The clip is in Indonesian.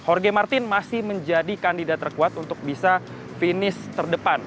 jorge martin masih menjadi kandidat terkuat untuk bisa finish terdepan